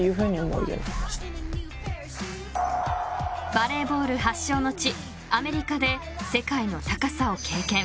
［バレーボール発祥の地アメリカで世界の高さを経験］